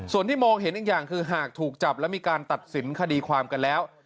ส่วนที่มองเห็นอีกอย่างคือหากถูกจับและมีการตัดสินคดีความกันแล้ว